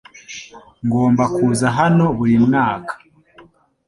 Ngomba kuza hano buri mwaka .